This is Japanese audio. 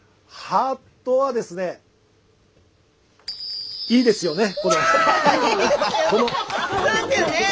「ハートはいいですよね」。